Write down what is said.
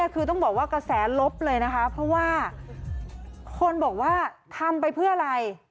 คือต้องบอกว่ากระแสลบเลยนะคะเพราะว่าคนบอกว่าทำไปเพื่ออะไร